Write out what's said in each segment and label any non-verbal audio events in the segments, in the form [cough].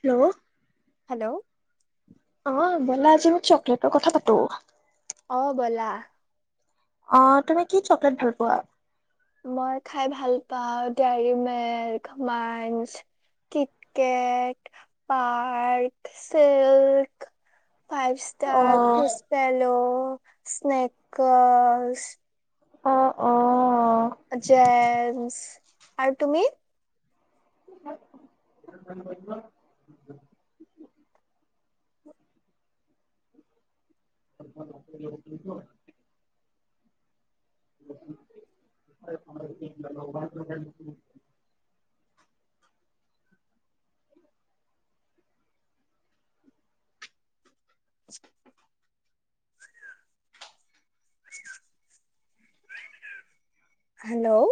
Hello! Hello! অ ব'লা আজি আমি চকলেটৰ কথা পাতো। অ বলা। অ তুমি কি চকলেট ভাল পোৱা? মই খাই ভাল পাওঁ Dairy milk, Munch, KitKat, park silk, five অ ষ্টাৰ, খোজ পেলো, স্নেকাৰ্চ অঁ অঁ। জেমচ আৰু তুমি? [unintelligible] [unintelligible] [unintelligible] হেল্ল'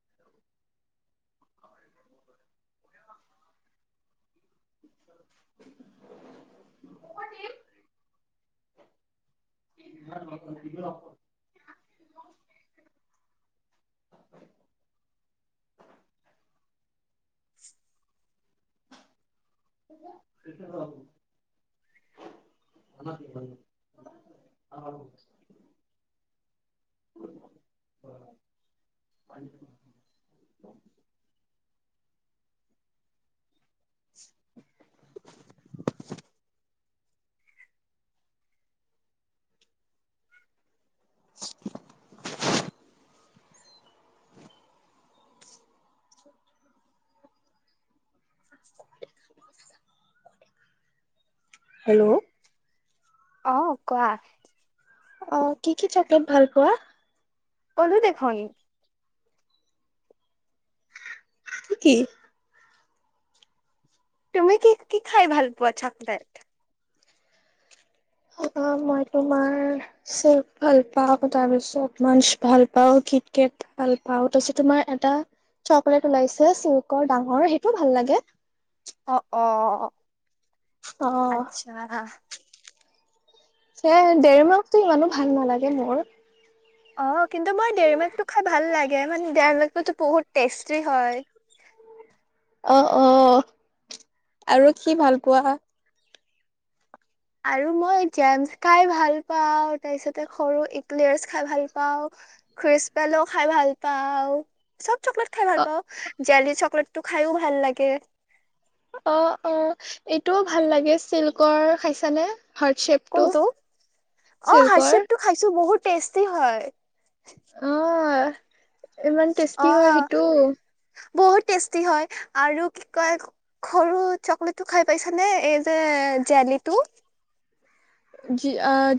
[inaudible] [unintelligible] [unintelligible] [unintelligible] [unintelligible] [unintelligible] হেল্ল' অৱ কোৱা অৱ কি কি চকলেট ভাল পোৱা? কলো দেখোন। কি কি? তুমি কি কি খাই ভাল পোৱা চকলেট? অ অ মই তোমাৰ চিল্ক ভাল পাও তাৰপিছত মাঞ্চ ভাল পাওঁ কিট কেট ভাল পাওঁ তাৰপিছত তোমাৰ এটা চকলেট ওলাইছে চিল্কৰ ডাঙৰ সেইটো ভাল লাগে। অ অ অ আচ্ছা সে দেৰিমালকটো ইমানো ভাল নালাগে মোৰ। অ কিন্তু মই দেৰি মাকটো খাই ভাল লাগে মানে দেৰি মাকটো বহুত টেষ্টি হয় অ অ আৰু কি ভাল পোৱা? আৰু মই জেমছ খাই ভাল পাওঁ তাৰ পিছতে সৰু ইকলেয়াৰছ খাই ভাল পাওঁ খ্ৰীচপেলো খাই ভাল পাওঁ চব। চকলেট খাই অ ভাল পাওঁ জেলী চকলেট টো খাইও ভাল লাগে। অ অ এইটোও ভাল লাগে চিল্কৰ খাইছানে। হাৰ্ট শ্বেপটো কোনটো অ চিল্কৰ হটশেপটো খাইছো বহুত টেষ্টি হয়। অৱ ইমান অ টেষ্টি হয় সেইটো। বহুত টেষ্টি হয় আৰু কি কয় সৰু চকলেটটো খাই পাইছানে এই যে জেলিটো।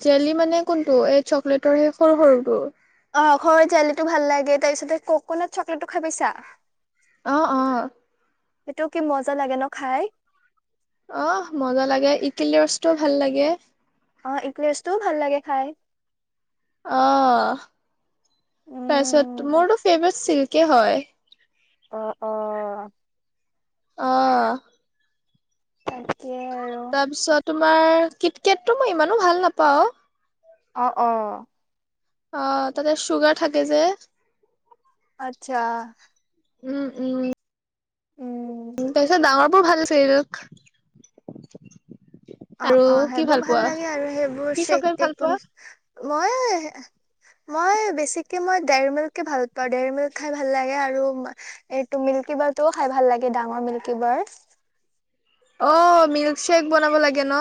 জেলি মানে কোনটো এই চকলেটৰ সেই সৰু সৰুটো। ঘৰৰ জেলিটো ভাল লাগে তাৰ পিছতে ককনাট চকলেটো খাই পাইছা। অৱ অৱ সেইটো কি মজা লাগে ন খাই। অ মজা লাগে ইকিলৰ্ছটো ভাল লাগে। অ ইকিলৰ্ছটোও ভাল লাগে খাই। অ তাৰপিছত উম মোৰতো ফেভাৰট চিল্ক কি হয় অহ অহ অহ তাকে আৰু। তাৰপিছত তোমাৰ কিতকেটো মই ইমানো ভাল নাপাওঁ। অ অ অ তাতে চুগাৰ থাকে যে। আচ্ছা। উম উম উম বোৰ ভাল চাগে অ অ সেইবোৰ ভাল লাগে আৰু সেইবোৰ কি চেক চকলেট ভাল টেক পোৱা? মই মই বেছিকে মই ডেৰিমিল্কে ভাল পাওঁ ডিৰিমিল্ক খাই ভাল লাগে আৰু এই মিল্কীবাৰটোও খাই ভাল লাগে ডাঙৰ মিল্কীবাৰ। অ মিল্কশ্বেক বনাব লাগে ন।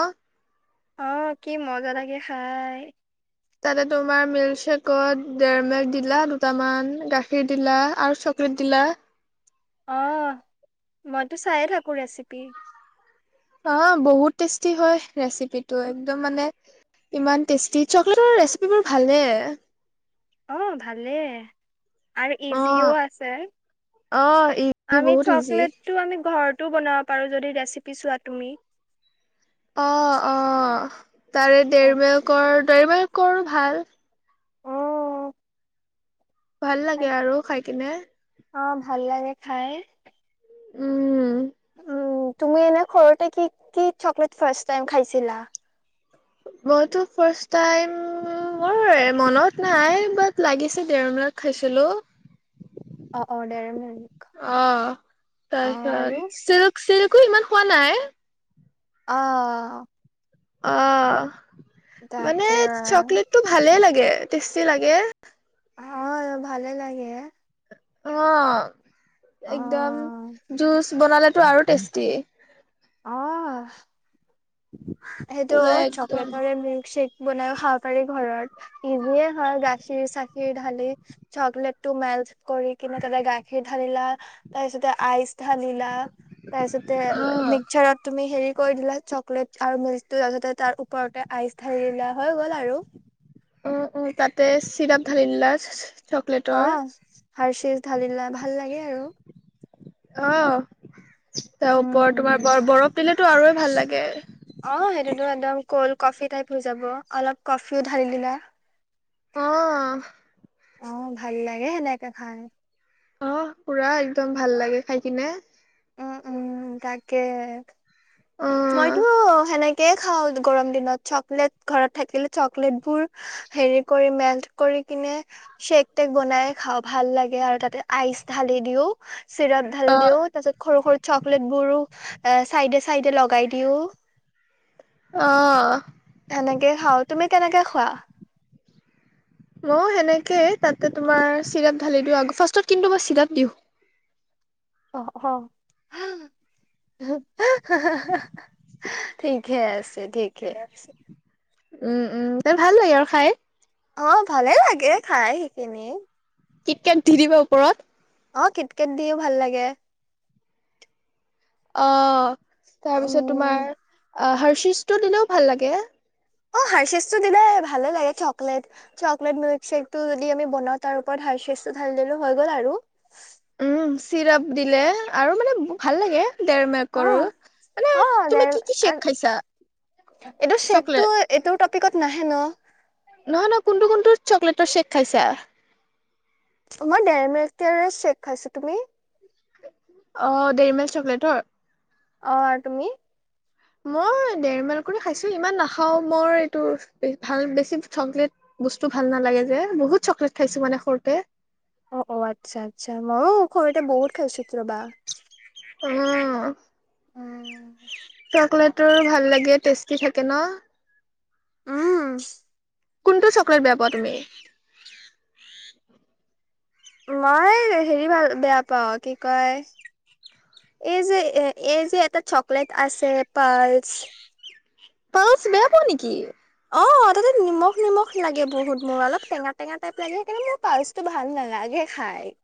অহ কি মজা লাগে খাই। তাতে তোমাৰ মিল্কশ্বেকত ডেৰিমীল্ক দিলা দুটামান গাখীৰ দিলা আৰু চকলেট দিলা। অ মইতো চায়ে থাকো ৰেচিপি। অ বহুত টেষ্টি হয় ৰেচিপিটো একদম মানে ইমান টেষ্টি চকলেটৰ ৰেচিপিবোৰ ভালে। আহ ভালেই। আৰু ইজিও অ' আছে অ' ইজি আমি বহুত ইজি। চকলেটটো আমি ঘৰত টো বনাব পাৰো যদি ৰেচিপি চোৱা তুমি। অহ‌ অহ তাৰে ডেলিমিল্কৰ দেৰিমিলকৰ ভাল। অ ভাল লাগে হয়, আৰু খাই পিনে। অ ভাল লাগে খাই। উম [unintelligible] উম তুমি এনে সৰুতে কি কি চকলেট ফাৰ্ষ্ট টাইম খাইছিলা? মইতো ফাৰ্ষ্ট টাইম মোৰ মনত নাই বাট লাগিছে ডেৰিমিল্ক খাইছিলো। অ অ ডেইৰী মিল্ক অ অ আৰু তাৰপিছত চিল্ক চিল্কো ইমান খোৱা নাই। অহ অ মানে তাকে চকলেটতটো ভালে লাগে। টেষ্টি লাগে। ভাল ভালে লাগে। অ অ একদম জুচ বনালে এইটো আৰু টেষ্টি। অহ সেইটো পুৰা একদম চকলেট ভৰাই মিল্কশেক বনাইয়ো খাব পাৰি ঘৰত ইজিয়ে হয়, গাখীৰ চাখিৰ ঢালি চকলেটটো মেল্ট কৰি কিনে তেনে গাখীৰ ধালিলা তাৰ পিছতে আইচ ধালিলা অ তাৰপিছতে তুমি হেৰি কৰি দিলা চকলেট আৰু মিল্কতটো ততে তাৰ ওপৰতে আইচ ঢালি দিলা হৈ গ'ল আৰু অ অ তাতে চিৰাপ ঢালিলা অ হাৰশিষ ঢালিলা ভাল লাগে আৰু আহ তাৰ উম ওপৰত তোমাৰ উম বৰ বৰফ দিলেতো আৰু ভাল লাগে অ সেইটোতো একদম কল্ড কফি টাইপ হৈ যাব অলপ কফিও ঢালি দিলা অঁ অ ভাল লাগে সেনেকে খাই আহ পুৰা একদম ভাল লাগে খাই কিনে। উম উম তাকে। মইতো অ', সেনেকেই খাওঁ গৰম দিনত চকলেট ঘৰত থাকিলে চকলেটবোৰ হেৰি কৰি মেল্ট কৰি কিনে চেক টেক বনাই খাওঁ ভাল লাগে আৰু তাতে আইচ ঢালি দিও। চিৰাপ ঢালি অ', দিওঁ তাৰ পিছত সৰু সৰু চকলেট বোৰো চাইডে চাইডে লগ গাই দিও অঁ তেনেকে খাও তুমি কেনেকে খোৱা মই সেনেকেই তাতে তোমাৰ চিৰাপ ঢালি দিওঁ অ অ ঠিকে আছে। ঠিকে উম উম ভাল লাগে আৰু খাই। অ ভালে লাগে খাই সেইখিনি। কিটক দি দিবা ওপৰত। অ কিত কেট দিও ভাল লাগে। অঁ তাৰপিছত উম তোমাৰ হৰ্ষিজটো দিলেও ভাল লাগে। অ হাৰচিচ টো দিলে ভালে লাগে চকলেট চকলেট মিল্কশেকটো যদি আমি বনাওঁ তাৰ ওপৰত হাৰেচ টো ঢালি দিলো হৈ গ'ল আৰু উম, চিৰাপ দিলে আৰু মানে ভাল লাগে। দেৰ মেৰ অ কৰো মানে অ তুমি দেৰ কি কি চেক খাইছা এইটো শ্বেকটো চকলেট এইটো টপিকত নাহে ন। নহয় নহ কোনটো কোনটো চকলেটৰ চেক খাইছা? মই দেৰ মেকৰ চেক খাইছো তুমি? অ দেৰি মেকল চকলেটৰ অ তুমি মই দেৰ মাইল কৰি খাইছো ইমান নাখাও মই এইটো ভাল বেছি চকলেট বস্তু ভাল নালাগে যে বহুত চকলেট খাইছো মানে সৰুতে অ অ আচ্ছা আচ্ছা মইয়ো‌ সৰুতে বহুত খাইছো ৰবা। উম। উম চকলেটৰ ভাল লাগে, টেষ্টি থাকে ন। উম। কোনটো চকলেট বেয়া পোৱা তুমি? মই হেৰি ভাল বেয়া পাওঁ কি কয়, এই যে এ এই যে এটা চকলেট আছে পালচ পালছ বেয়া পোৱা নেকি? অ তাতে নিমখ নিমখ লাগে বহুত মোৰ অলপ টেঙা টেঙা টাইপ লাগে সেইকাৰণে মোৰ পালচটো ভাল নালাগে খাই।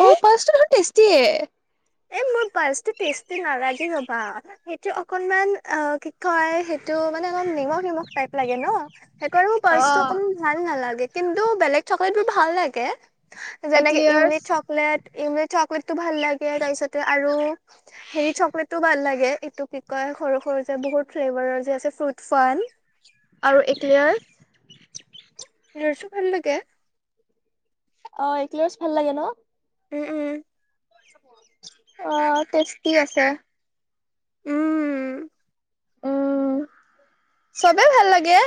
অ পালছ টো দেখোন টেষ্ট টিয়ে। এ মোৰ পালচটো টেষ্টি নালাগে, ৰবা সেইটো অকনমান অ কি কয় সেইটো মানে অলপ নিমখ নিমখ টাইপ লাগে ন সেইকাৰণে মোৰ অ পাৰ্চটো অকমান ভাল নালাগে। কিন্তু বেলেগ চকলেটটো ভাল লাগে। যেনেকে একলেয়াৰ্চ ইমলী চকলেট ইমলি ছ কৰিতো ভাল লাগে সে য়াৰ তাৰপিছতে আৰু হেৰি চকলেটটো ভাল লাগে। এইটো কি কয়, সৰু সৰু যে বহুত ফ্লেভাৰৰ যে আছে ফ্ৰুট ফান আৰু একলেয়াৰ। ইকলেয়াৰচু ভাল লাগে। অ এক্লাৰচ ভাল লাগে ন। উম উম। অ টেষ্টি আছে। উম। উম, চবে ভাল লাগে।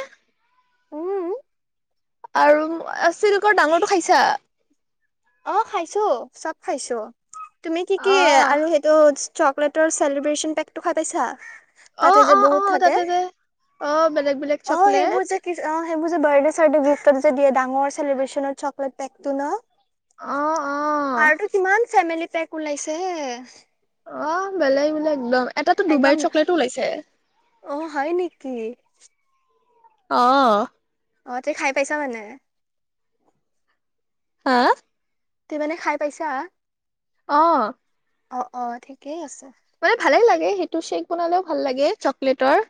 উম আৰু চিল্কৰ ডাঙৰটো খাইছা? অ খাইছো, চব খাইছো। তুমি কি কি অ আৰু সেইটো চকলেটৰ চেলিব্ৰেচন পেকটো খাই পাইছা? অ তাতে যে অ অ বহুত থাকে তাতে দে, অ বেলেগ বেলেগ চকলেট মোৰ যে বাৰ্ডে চাৰ্ডে গীফ্টত যে ডাঙৰ চেলিব্ৰেচনৰ চকলেট পেকটো ন অ অ আৰুতো কিমান ফেমিলি পেক ওলাইছে। অ বেলেগ বেলেগ একদম, এটাতো একদম ডুবাইৰ চকলেটো ওলাইছে। অ হয় নেকি? অ। অ তই খাই পাইছা মানে? হা? তুমি মানে খাই পাইছা? অ অ অ ঠিকেই আছে। মানে ভালে লাগে, সেইটো শ্বেক বনালেও ভাল লাগে চকলেটৰ।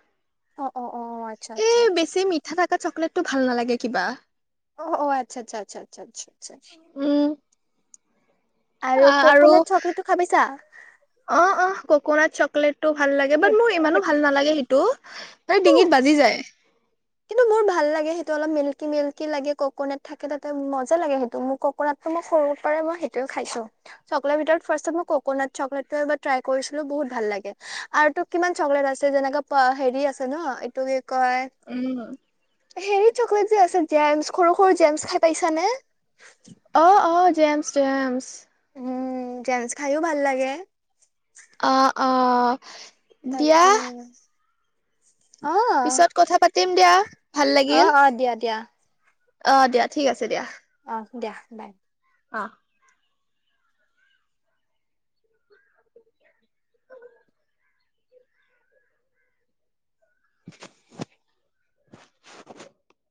অ অ অ আচ্ছা এ আচ্ছা আচ্ছা বেছি মিঠা থকা চকলেট টো ভাল নালাগে কিবা অ অ আচ্ছা আচ্ছা আচ্ছা আচ্ছা চা অ আৰু অ অ ককনাট চক ক্লেত টো ভাল লাগে বাট সেইটো মোৰ ইমানো ভাল নালাগে সেইটো মানে সেইটো ডিঙিত বাজি যায় কিন্তু মোৰ ভাল লাগে সেইটো অলপ মিল্কি মিল্কি লাগে কক'নাট থাকে তাতে মজা লাগে সেইটো মোৰ কক'নাট টো মই সৰু পৰাই মই সেইটোয়ে খাইছো চকলেটৰ ভিতৰত ফাৰ্ষ্টত মই ককনাট চকলেটটো এবাৰ ট্ৰাই কৰিছিলোঁ বহুত ভাল লাগে আৰু তোক কিমান চকলেট আছে যেনেকা হেৰি আছে ন এইটো কি [unintelligible] উম হেৰিত চকলেট যে আছে জেমছ সৰু সৰু জেমছ খাই পাইছা নে? অহ অহ জেমছ জেমচ উম জেমছ খাইও ভাল লাগে অ অ দিয়া তাকে [inaudible] ইণ্ডিয়া অ আ দিয়া দিয়া অ দিয়া ঠিক আছে দিয়া অ দিয়া বাই। অ [inaudible]